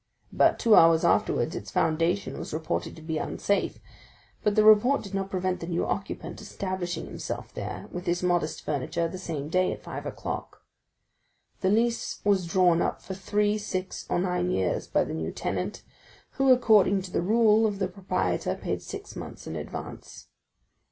About two hours afterwards its foundation was reported to be unsafe; but the report did not prevent the new occupant establishing himself there with his modest furniture the same day at five o'clock. The lease was drawn up for three, six, or nine years by the new tenant, who, according to the rule of the proprietor, paid six months in advance.